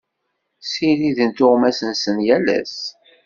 Ssiriden tuɣmas-nsen yal ass.